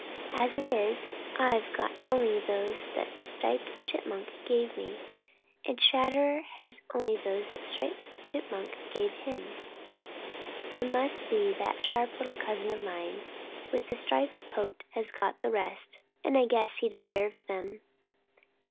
As it is, I've got only those that Striped Chipmunk gave me, and Chatterer has only those that Striped Chipmunk gave him. It must be that that sharp little cousin of mine with the striped coat has got the rest, and I guess he deserves them."